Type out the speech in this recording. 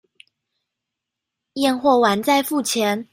驗貨完再付錢